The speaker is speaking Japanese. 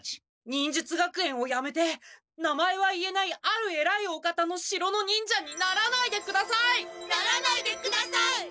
忍術学園をやめて名前は言えないあるえらいお方の城の忍者にならないでください！ならないでください！